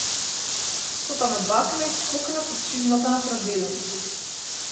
Потоа ме бакна и скокна под чизмата на прадедо ми.